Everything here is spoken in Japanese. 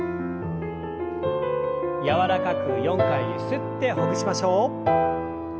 柔らかく４回ゆすってほぐしましょう。